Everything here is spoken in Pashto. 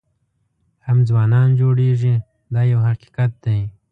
هم ځوانان جوړېږي دا یو حقیقت دی.